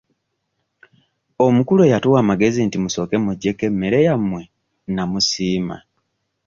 Omukulu eyatuwa amagezi nti musooke muggyeko emmere yammwe nnamusiima.